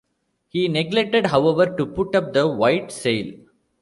He neglected, however, to put up the white sail.